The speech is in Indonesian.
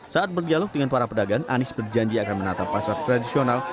saat berdialog dengan para pedagang anies berjanji akan menata pasar tradisional